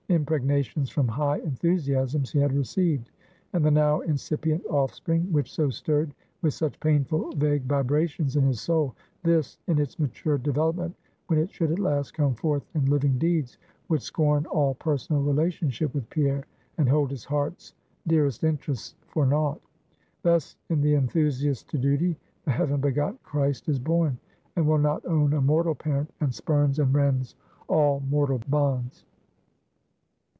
Impregnations from high enthusiasms he had received; and the now incipient offspring which so stirred, with such painful, vague vibrations in his soul; this, in its mature development, when it should at last come forth in living deeds, would scorn all personal relationship with Pierre, and hold his heart's dearest interests for naught. Thus, in the Enthusiast to Duty, the heaven begotten Christ is born; and will not own a mortal parent, and spurns and rends all mortal bonds.